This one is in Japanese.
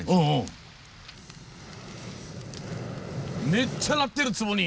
めっちゃなってるツボに。